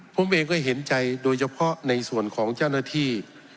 ผมเองก็เห็นใจโดยเฉพาะในส่วนของเจ้าหน้าที่